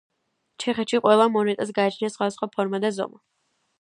ჩეხეთში ყველა მონეტას გააჩნია სხვადასხვა ფორმა და ზომა.